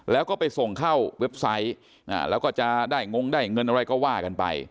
แล้วก็ไปส่งเข้าเว็บไซต์แล้วก็จะได้งงได้เงินอะไรก็ว่ากันไป